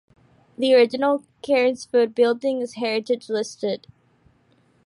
The original Cairnsfoot building is heritage listed.